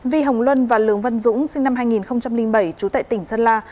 vi hồng luân và lường văn dũng sinh năm hai nghìn bảy trú tại tỉnh sơn la